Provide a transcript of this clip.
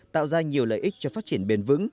tạo ra nhiều lợi ích cho phát triển bền vững